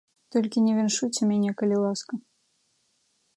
Толькі не віншуйце мяне, калі ласка.